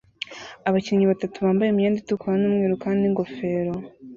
Abakinnyi batatu bambaye imyenda itukura n'umweru kandi n'ingofero